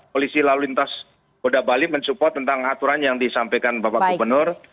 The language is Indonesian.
polisi lalu lintas kota bali men support tentang aturan yang disampaikan bapak gubernur